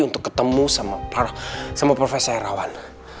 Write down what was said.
untuk ketemu sama profesor irawan